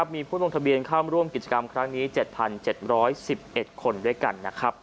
มีผู้ลงทะเบียนเข้าร่วมกิจกรรมครั้งนี้๗๗๑๑คนด้วยกัน